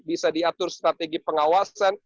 bisa diatur strategi pengawasan